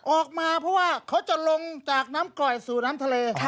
ออกมาเพราะว่าเขาจะลงจากน้ำกร่อยสู่น้ำทะเล